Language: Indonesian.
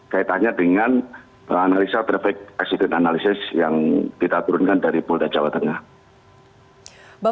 kaitannya dengan analisa terbaik eksiden analisis yang kita turunkan dari polda jawa tengah